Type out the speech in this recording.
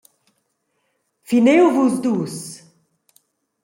Finiu vus dus.